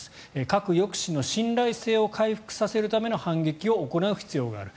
核抑止の信頼性を回復させるための反撃を行う必要がある。